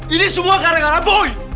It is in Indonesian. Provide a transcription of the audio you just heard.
ini semua gara gara boy